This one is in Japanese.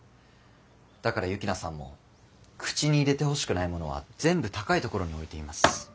だから幸那さんも口に入れてほしくないものは全部高いところに置いています。